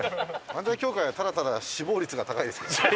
漫才協会はただただ死亡率が高いですから。